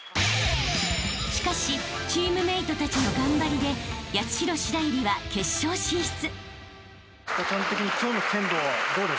［しかしチームメートたちの頑張りで八代白百合は決勝進出］